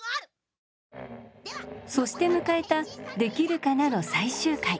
そして迎えた「できるかな」の最終回。